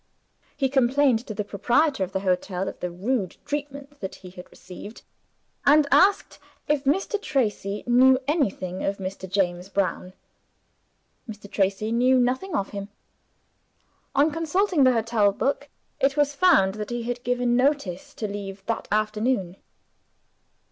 He complained to the proprietor of the hotel of the rude treatment that he had received, and asked if Mr. Tracey knew anything of Mr. James Brown. Mr. Tracey knew nothing of him. On consulting the hotel book it was found that he had given notice to leave, that afternoon.